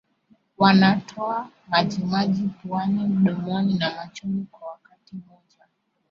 Wanatoa majimaji puani mdomoni na machoni kwa wakati mmoja